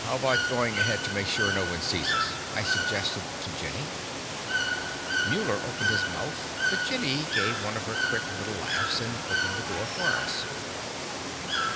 "How about going ahead to make sure no one sees us?" I suggested to Jenny. Muller opened his mouth, but Jenny gave one of her quick little laughs and opened the door for us.